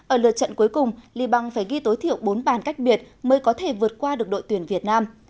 ở lượt trận cuối cùng libang phải ghi tối thiểu bốn bàn cách biệt mới có thể vượt qua được đội tuyển việt nam